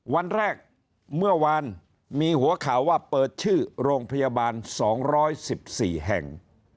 วันแรกเมื่อวานมีหัวข่าวว่าเปิดชื่อโรงพยาบาล๒๑๔แห่ง